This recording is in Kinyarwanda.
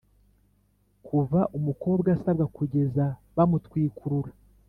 kuva umukobwa asabwa kugeza bamutwikurura